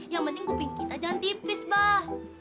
yang penting kuping kita jangan tipis bah